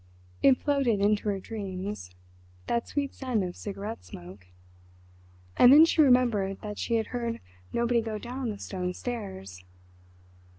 It floated into her dreams—that sweet scent of cigarette smoke. And then she remembered that she had heard nobody go down the stone stairs.